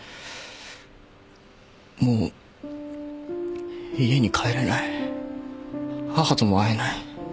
もう家に帰れない母とも会えない。